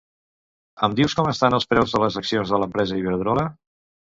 Em dius com estan els preus de les accions de l'empresa Iberdrola?